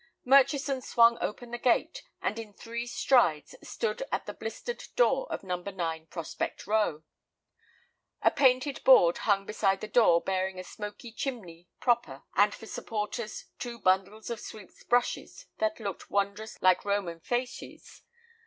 Murchison swung open the gate, and in three strides stood at the blistered door of No. 9 Prospect Row. A painted board hung beside the door bearing a smoking chimney "proper," and for supporters two bundles of sweep's brushes that looked wondrous like Roman fasces.